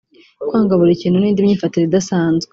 kwanga buri kintu n’indi myifatire idasanzwe